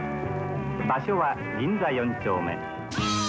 場所は銀座４丁目」。